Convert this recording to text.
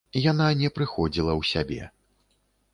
Яна не прыходзіла ў сябе.